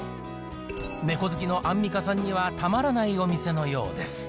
猫好きのアンミカさんにはたまらないお店のようです。